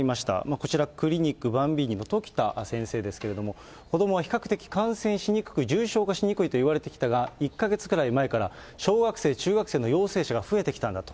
こちら、クリニックばんびぃにの時田先生ですけれども、子どもは比較的感染しにくく、重症化しにくいといわれてきたが、１か月くらい前から、小学生、中学生の陽性者が増えてきたんだと。